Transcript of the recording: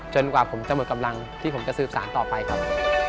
กว่าผมจะหมดกำลังที่ผมจะสืบสารต่อไปครับ